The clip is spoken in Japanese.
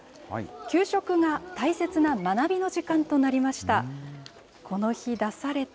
給食が大切な学びの時間となりました。